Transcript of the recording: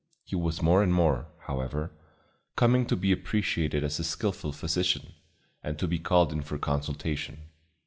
He was more and more, however, coming to be appreciated as a skillful physician, and to be called in for consultation.